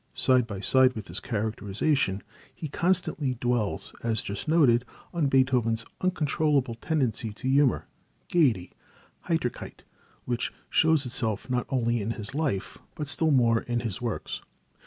Side by side with this characterization he constantly dwells, as just noted, on Beethoven's uncontrollable tendency to humor, gayety (Heiterkeit) which shows itself not only in his life, but still more in his works.